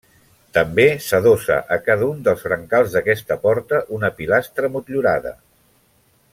També s'adossa a cada un dels brancals d'aquesta porta, una pilastra motllurada.